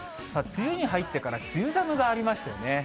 梅雨に入ってから梅雨寒がありましたよね。